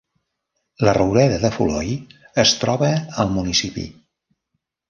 La roureda de Foloi es troba al municipi.